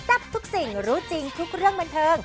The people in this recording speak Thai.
ทับทุกสิ่งรู้จริงทุกเรื่องบันเทิง